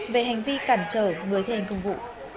về hành vi cản trở người thi hành công vụ